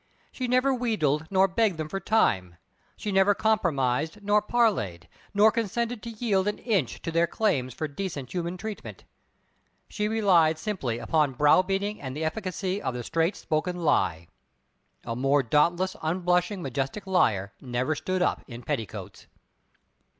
She never wheedled nor begged them for time; she never compromised nor parleyed, nor condescended to yield an inch to their claims for decent human treatment. She relied simply upon browbeating and the efficacy of the straight spoken lie. A more dauntless, unblushing, majestic liar never stood up in petticoats.